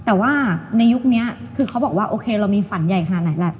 แต่ว่าในยุคนี้คือเขาบอกว่าโอเคเรามีฝันใหญ่ขนาดไหนแหละ